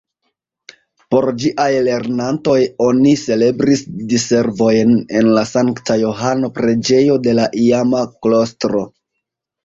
Por ĝiaj lernantoj oni celebris Diservojn en la Sankta-Johano-preĝejo de la iama klostro.